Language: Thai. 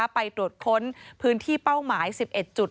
ไปตรวจค้นพื้นที่เป้าหมาย๑๑จุด